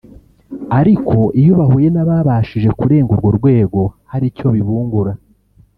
ariko iyo bahuye n’ababashije kurenga urwo rwego hari icyo bibungura